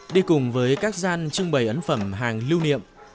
đi cùng với các gian trưng bày ấn phẩm hàng lưu niệm